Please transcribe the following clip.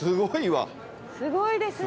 すごいですね。